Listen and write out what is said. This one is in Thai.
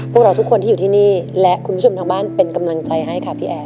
พวกเราทุกคนที่อยู่ที่นี่และคุณผู้ชมทางบ้านเป็นกำลังใจให้ค่ะพี่แอน